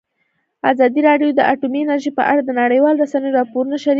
ازادي راډیو د اټومي انرژي په اړه د نړیوالو رسنیو راپورونه شریک کړي.